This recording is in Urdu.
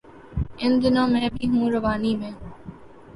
ان دنوں میں بھی ہوں روانی میں